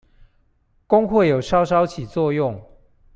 工會有稍稍起作用